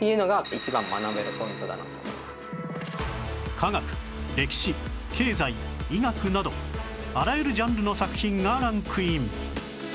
科学歴史経済医学などあらゆるジャンルの作品がランクイン